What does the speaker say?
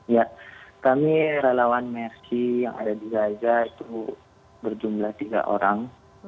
ya kami relawan mersi yang ada di gaza itu berjumlah tiga orang